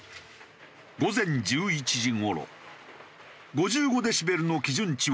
午前１１時頃５５デシベルの基準値を超え